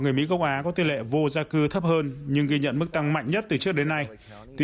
người mỹ gốc á có tỷ lệ vô gia cư thấp hơn nhưng ghi nhận mức tăng mạnh nhất từ trước đến nay tuy